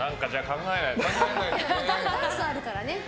ダンスがあるからね。